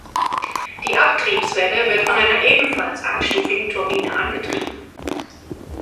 Die Abtriebswelle wird von einer ebenfalls einstufigen Turbine angetrieben.